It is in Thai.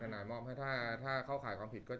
และว่าจะมาได้ในนี้นิดหน้าในนิตรงี้ก่อนครับ